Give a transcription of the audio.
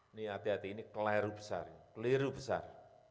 ini hati hati ini keliru besar keliru besar